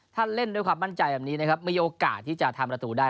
ถ้าเล่นด้วยความมั่นใจแบบนี้นะครับมีโอกาสที่จะทำประตูได้